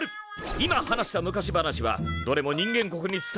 今話した昔話はどれも人間国に伝わるもの！